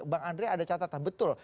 bang andre ada catatan betul